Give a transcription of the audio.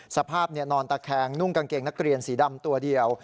สภาพนอนตะแคงนุ่งกางเกงนักเรียนสีดำตัวเดียว